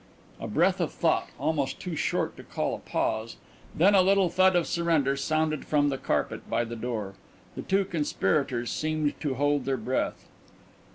A breath of thought almost too short to call a pause then a little thud of surrender sounded from the carpet by the door. The two conspirators seemed to hold their breath.